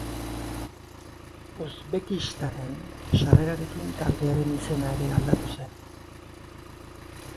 Uzbekistanen sarrerarekin taldearen izena ere aldatu zen.